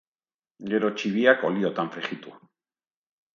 Gero txibiak olliotan frijitu.